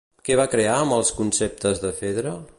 Què va crear amb els conceptes de Fedre?